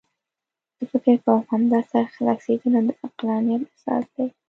زه فکر کوم همدا سرخلاصېدنه د عقلانیت اساس دی.